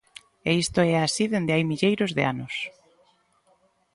E isto é así desde hai milleiros de anos.